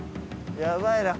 やばいな。